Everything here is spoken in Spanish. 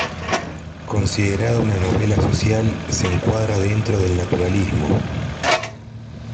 Considerada una novela social, se encuadra dentro del naturalismo.